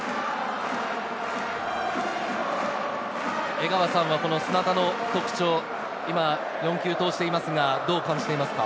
江川さんは、砂田の特徴、今、４球投じていますが、どう感じていますか？